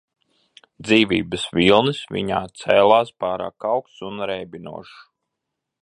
Dzīvības vilnis viņā cēlās pārāk augsts un reibinošs.